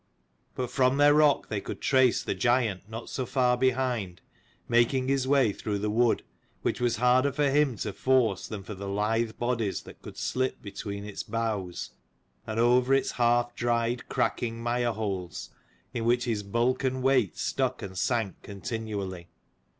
But from their rock they could trace the giant not so far behind, making his way through the wood, which was harder for him to force than for the lithe light bodies that could slip between its boughs, and over its half dried, cracking mire holes in which his bulk and weight stuck and sank continually.